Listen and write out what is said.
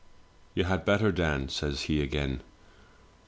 " 'You had better, Dan,' says he again.